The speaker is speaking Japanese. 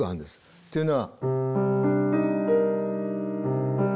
っていうのは。